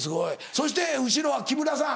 そして後ろは木村さん。